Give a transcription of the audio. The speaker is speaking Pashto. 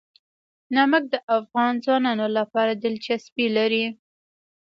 نمک د افغان ځوانانو لپاره دلچسپي لري.